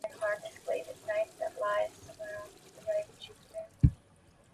原名维亚特卡来自流经该市的维亚特卡河。